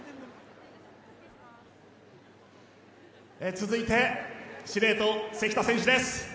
続いて司令塔、関田選手です。